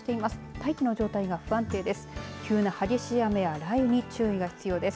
大気の状態が不安定です。